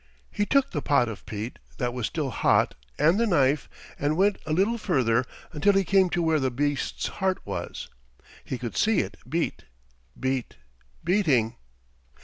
He took the pot of peat, that was still hot, and the knife, and went a little further until he came to where the beast's heart was. He could see it beat, beat, beating.